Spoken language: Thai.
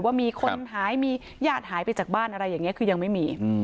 ว่ามีคนหายมีญาติหายไปจากบ้านอะไรอย่างนี้คือยังไม่มี